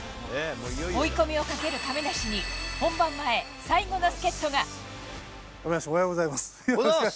追い込みをかける亀梨に、本番前、亀梨君、おはようございます。